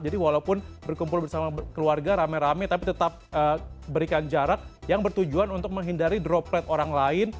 jadi walaupun berkumpul bersama keluarga rame rame tapi tetap berikan jarak yang bertujuan untuk menghindari droplet orang lain